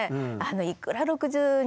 いくら６２